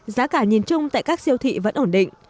giá cả nhìn chung tại các siêu thị vẫn ổn định